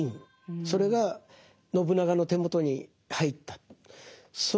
それが信長の手元に入った。